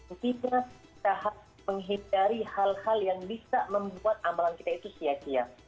ketika kita menghindari hal hal yang bisa membuat amalan kita itu sia sia